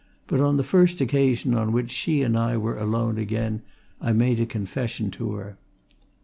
But on the first occasion on which she and I were alone again, I made a confession to her.